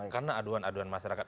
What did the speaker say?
karena aduan aduan masyarakat